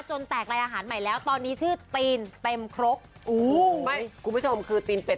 แตกลายอาหารใหม่แล้วตอนนี้ชื่อตีนเต็มครกอู้ไม่คุณผู้ชมคือตีนเป็ด